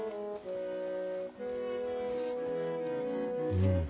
うん。